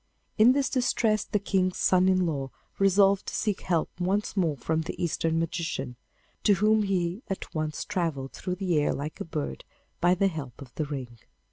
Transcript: In this distress, the King's son in law resolved to seek help once more from the Eastern magician, to whom he at once travelled through the air like a bird by the help of the ring.